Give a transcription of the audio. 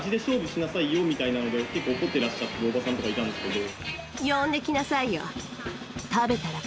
結構怒ってらっしゃるおばさんとかいたんですけど。